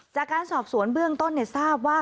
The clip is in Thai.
จากการสอบสวนเบื้องต้นทราบว่า